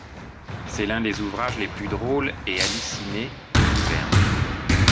C'est l'un des ouvrages les plus drôles et hallucinés de Jules Verne.